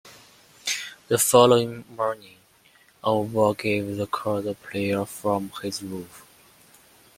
The following morning, Urwah gave the call to prayer from his roof.